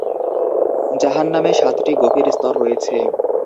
জাহান্নামে সাতটি গভীর স্তর রয়েছে।